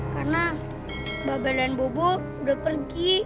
karena baba dan bobo udah pergi